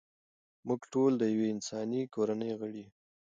موږ ټول د یوې انساني کورنۍ غړي یو.